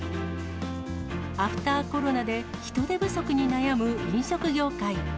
アフターコロナで人手不足に悩む飲食業界。